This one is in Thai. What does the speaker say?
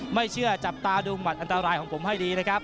ไม่เชื่อจับตาดูหมัดอันตรายของผมให้ดีนะครับ